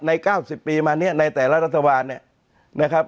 ใน๙๐ปีมาเนี่ยในแต่ละรัฐบาลเนี่ย